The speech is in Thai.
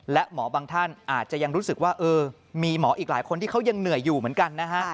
และหมอบางท่านอาจจะยังรู้สึกว่ามีหมออีกหลายคนที่เขายังเหนื่อยอยู่เหมือนกันนะฮะ